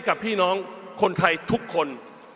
กับพี่น้องคนไทยทุกคน